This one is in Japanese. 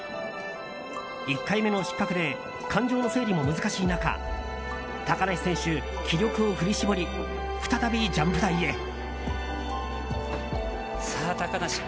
１回目の失格で感情の整理も難しい中高梨選手、気力を振り絞り再びジャンプ台へ。